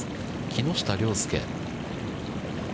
木下稜介。